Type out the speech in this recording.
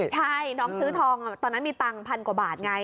ใช่น้องซื้อทองตอนนั้นมีตังค์พันกว่าบาทไง